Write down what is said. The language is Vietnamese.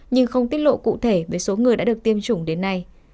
nhưng không tiết lộ cụ thể về số người đã được tiêm chủng đến nay